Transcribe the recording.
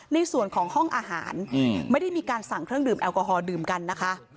ในส่วนของห้องอาหารไม่ได้มีการสั่งเครื่องดื่มแอลกอฮอลดื่มกันนะคะ